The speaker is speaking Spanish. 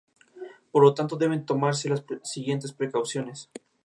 La empresa obtiene bien e incluso Constantino se siente parte.